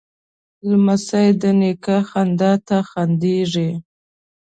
لمسی د نیکه خندا ته خندېږي.